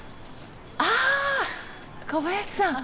あ！小林さん？